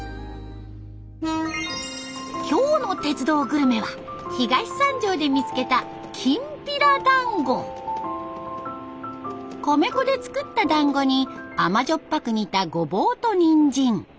今日の「鉄道グルメ」は東三条で見つけた米粉で作っただんごに甘じょっぱく煮たゴボウとニンジン。